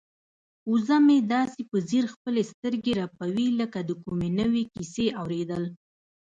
وزه مې داسې په ځیر خپلې سترګې رپوي لکه د کومې نوې کیسې اوریدل.